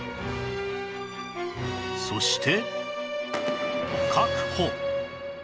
そして